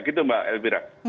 gitu mbak elvira